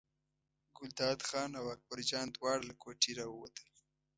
ګلداد خان او اکبرجان دواړه له کوټې راووتل.